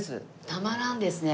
たまらんですね